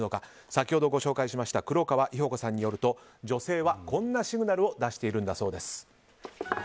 先ほどご紹介しました黒川伊保子さんによりますと女性は、こんなシグナルを出しているんだそうです。